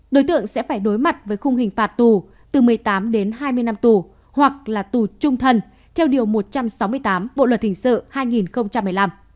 đối tượng sẽ phải đối mặt với khung hình phạt tù từ một mươi tám đến hai mươi năm tù hoặc là tù trung thân theo điều một trăm sáu mươi tám bộ luật hình sự hai nghìn một mươi năm